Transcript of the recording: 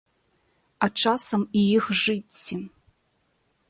А часам і іх жыцці.